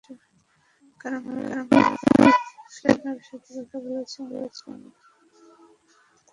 Carmine ফ্যালকোনের সাথে কথা হয়েছে আমার।